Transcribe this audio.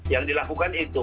yang dilakukan itu